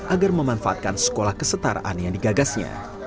agar memanfaatkan sekolah kesetaraan yang digagasnya